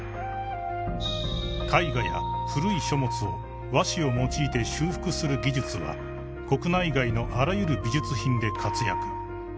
［絵画や古い書物を和紙を用いて修復する技術は国内外のあらゆる美術品で活躍］